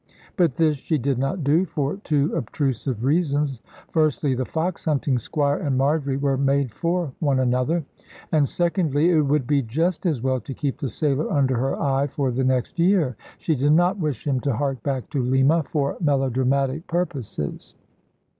But this she did not do, for two obtrusive reasons, firstly, the fox hunting squire and Marjory were made for one another; and secondly, it would be just as well to keep the sailor under her eye for the next year. She did not wish him to hark back to Lima, for melodramatic purposes.